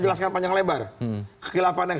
jelaskan panjang lebar kekilapan yang